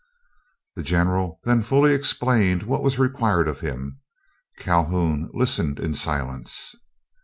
The General then fully explained what was required of him. Calhoun listened in silence.